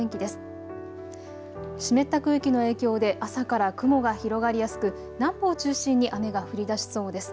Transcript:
湿った空気の影響で朝から雲が広がりやすく南部を中心に雨が降りだしそうです。